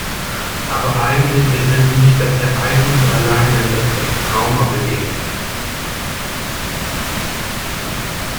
Aber eigentlich ist es nicht das Ereignis alleine, das das Trauma bedingt.